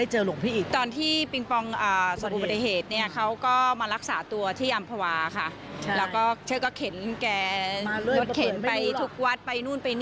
หลวงพ่ออิฐเป็นคนพูด